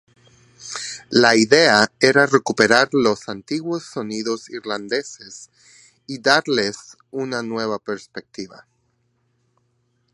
La idea era recuperar los antiguos sonidos irlandeses y darles una nueva perspectiva.